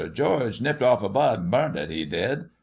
George nipped off a bud an' burnt it, 'e did.